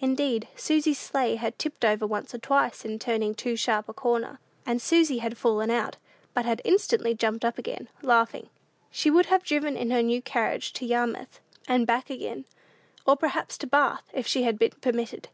Indeed, Susy's sleigh had tipped over once or twice in turning too sharp a corner, and Susy had fallen out, but had instantly jumped up again, laughing. She would have driven in her new carriage to Yarmouth and back again, or perhaps to Bath, if she had been permitted.